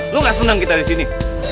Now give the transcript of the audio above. lu gak senang kita di sini